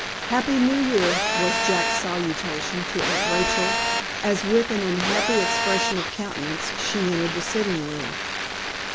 "HAPPY New Year!" was Jack's salutation to Aunt Rachel, as, with an unhappy expression of countenance, she entered the sitting room.